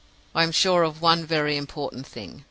"I am sure of one very important thing.